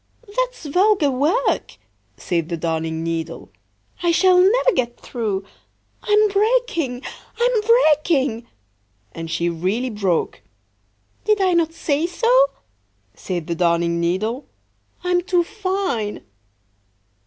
"That's vulgar work," said the Darning needle. "I shall never get through. I'm breaking! I'm breaking!" And she really broke. "Did I not say so?" said the Darning needle; "I'm too fine!"